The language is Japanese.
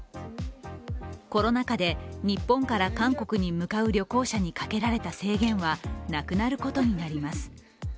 コロナ禍で日本から韓国に向かう旅行者にかけられた制限はなくなることになります。